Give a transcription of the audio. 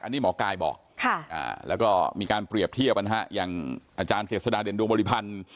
อันนี้หมอกายบอกแล้วก็มีการเปรียบเทียบอย่างอาจารย์เจษฎาเด่นดวงบริพันธ์